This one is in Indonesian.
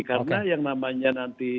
karena yang namanya nanti